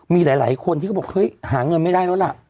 มีหลายคนที่เขาบอกเฮ้ยหาเงินไม่ได้แล้วล่ะ